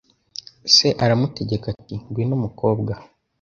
Se aramutegeka ati: "Ngwino mukobwa."